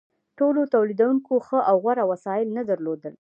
ټولو تولیدونکو ښه او غوره وسایل نه درلودل.